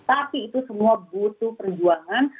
tapi itu semua butuh perjuangan